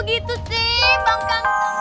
iya ini kan pak kanto